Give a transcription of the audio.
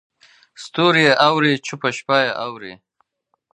ستوري یې اوري چوپه شپه یې اوري